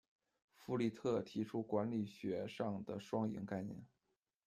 傅丽特提出管理学上的双赢概念。